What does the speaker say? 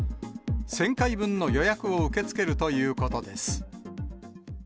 １０００回分の予約を受け付けるということです。